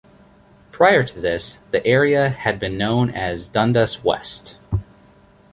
Prior to this, the area had been known as Dundas West.